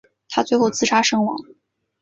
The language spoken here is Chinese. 他最后自杀身亡。